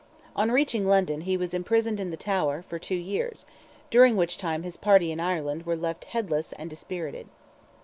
On reaching London, he was imprisoned in the Tower, for two years, during which time his party in Ireland were left headless and dispirited.